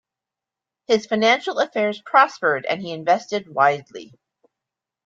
His financial affairs prospered, and he invested widely.